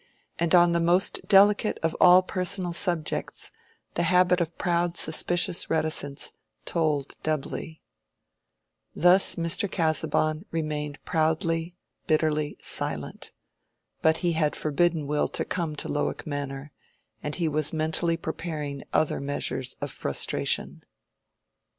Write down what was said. And on the most delicate of all personal subjects, the habit of proud suspicious reticence told doubly. Thus Mr. Casaubon remained proudly, bitterly silent. But he had forbidden Will to come to Lowick Manor, and he was mentally preparing other measures of frustration.